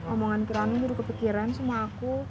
omongan kiram ini udah kepikiran semua aku